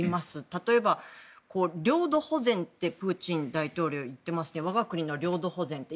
例えば、領土保全ってプーチン大統領は言ってますが我が国の領土保全って。